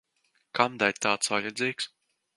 Kamdēļ tāds vajadzīgs?